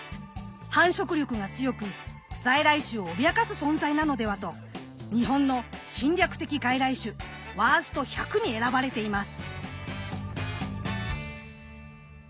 繁殖力が強く在来種を脅かす存在なのではと日本の侵略的外来種ワースト１００に選ばれています。